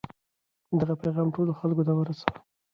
دغه پیغام ټولو خلکو ته ورسوئ.